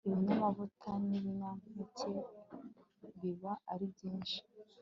ibinyamavuta nibinyampeke biba ari byinshi